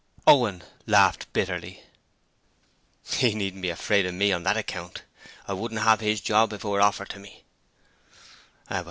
Owen laughed bitterly. 'He needn't be afraid of ME on THAT account. I wouldn't have his job if it were offered to me.'